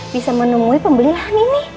bisa menemui pembeli lahan ini